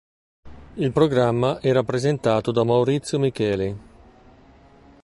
Il programma era presentato da Maurizio Micheli.